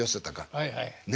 はいはい。ね？